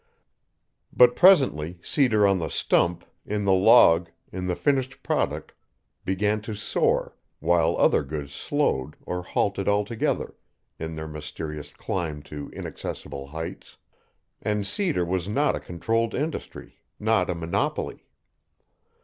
But presently cedar on the stump, in the log, in the finished product, began to soar while other goods slowed or halted altogether in their mysterious climb to inaccessable heights, and cedar was not a controlled industry, not a monopoly.